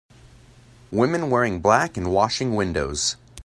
Woman wearing black and washing windows.